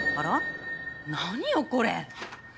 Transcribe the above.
何よこれ。